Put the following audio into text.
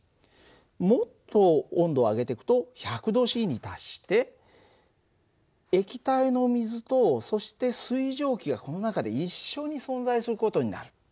もっと温度を上げていくと１００℃に達して液体の水とそして水蒸気がこの中で一緒に存在する事になる。